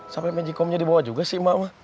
sampai menjikomnya dibawa juga sih mak mak